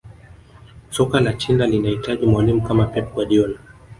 soka la china linahitaji mwalimu kama pep guardiola